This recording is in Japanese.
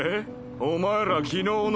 お前ら昨日の。